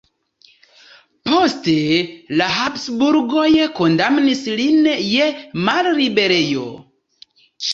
Poste la Habsburgoj kondamnis lin je malliberejo.